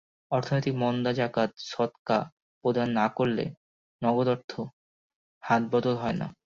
অর্থনৈতিক মন্দাজাকাত সদকা প্রদান না করলে নগদ অর্থ হাতবদল হয় না।